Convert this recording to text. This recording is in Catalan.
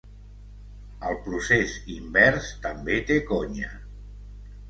El procés invers també té conya.